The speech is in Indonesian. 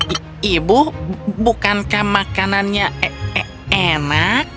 i ibu bukankah makanannya e enak